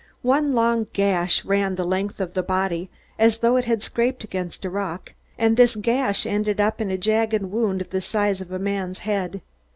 One long gash ran the length of the body, as though it had scraped against a rock, and this gash ended in a jagged wound the size of a man's head.